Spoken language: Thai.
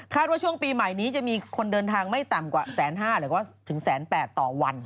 ว่าช่วงปีใหม่นี้จะมีคนเดินทางไม่ต่ำกว่า๑๕๐๐หรือว่าถึง๑๘๐๐ต่อวัน